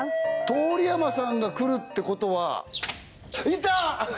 通山さんが来るってことはいた！